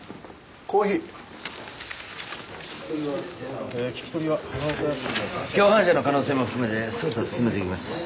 コーヒー共犯者の可能性も含めて捜査を進めていきます